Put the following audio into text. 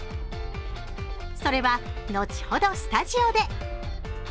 それは後ほどスタジオで。